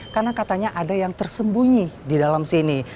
karena katanya ada yang tersembunyi di dalam sini